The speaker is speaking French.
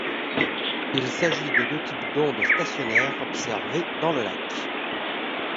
Il s'agit de deux types d'ondes stationnaires observées dans le lac.